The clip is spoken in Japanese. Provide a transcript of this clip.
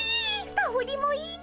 かおりもいいね。